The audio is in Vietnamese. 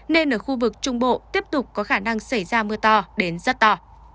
nên ở khu vực trung bộ tiếp tục có khả năng xảy ra mưa to đến rất to